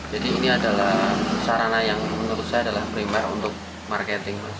jadi ini adalah sarana yang menurut saya adalah primer untuk marketing